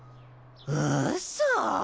うそ。